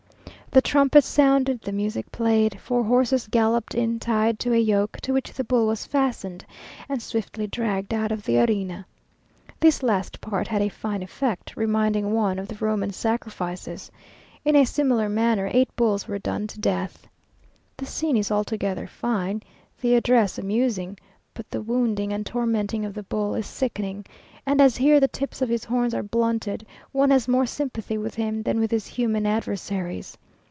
The trumpets sounded, the music played. Four horses galloped in tied to a yoke, to which the bull was fastened, and swiftly dragged out of the arena. This last part had a fine effect, reminding one of the Roman sacrifice. In a similar manner, eight bulls were done to death. The scene is altogether fine, the address amusing, but the wounding and tormenting of the bull is sickening, and as here the tips of his horns are blunted, one has more sympathy with him than with his human adversaries.